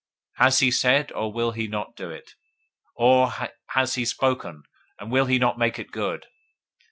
Has he said, and will he not do it? Or has he spoken, and will he not make it good?